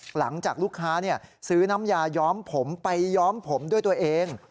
หลังจากลูกค้าซื้อน้ำยาย้อมผมไปย้อมผมด้วยตัวเอง